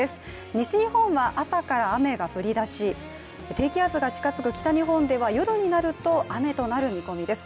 西日本は朝から雨が降りだし、低気圧が近づく北日本では夜になると雨となる見込みです。